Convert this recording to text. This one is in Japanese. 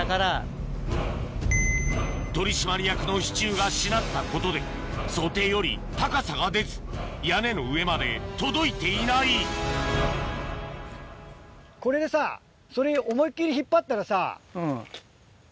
取締役の支柱がしなったことで想定より高さが出ず屋根の上まで届いていないこれでさそれ。